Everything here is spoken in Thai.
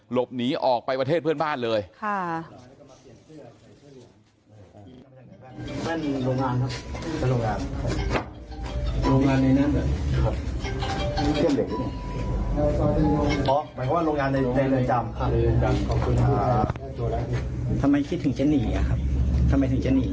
หลบหนีออกไปประเทศเพื่อนบ้านเลย